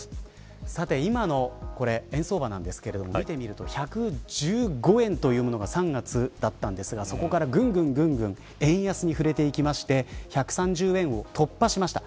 さて今の円相場なんですけれども見てみると１１５円というものが３月だったんですがそこからぐんぐん円安に振れていきまして１３０円を突破しました。